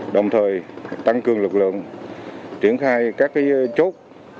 đồng thời tăng cường lực lượng triển khai các chốt